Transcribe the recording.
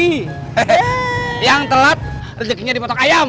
hehehe yang telat rezekinya dipotok ayam